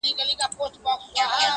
يوه شار ته دې د سرو سونډو زکات ولېږه!